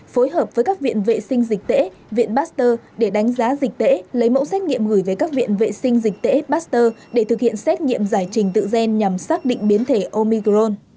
phối hợp với các viện vệ sinh dịch tễ viện baster để đánh giá dịch tễ lấy mẫu xét nghiệm gửi về các viện vệ sinh dịch tễ ba tơ để thực hiện xét nghiệm giải trình tự gen nhằm xác định biến thể omicron